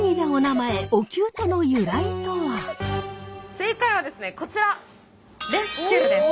正解はですねこちらレスキューです。